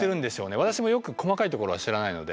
私もよく細かいところは知らないので。